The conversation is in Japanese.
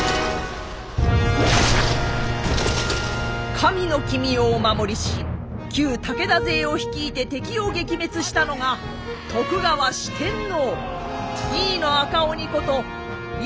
神の君をお守りし旧武田勢を率いて敵を撃滅したのが徳川四天王井伊の赤鬼こと井伊直政。